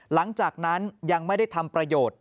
หลังจากนั้นยังไม่ได้ทำประโยชน์